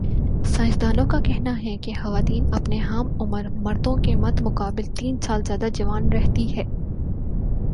science دانوں کا کہنا ہے کہ خواتین اپنے ہم عمر مردوں کے مدمقابل تین سال زیادہ جوان رہتی ہے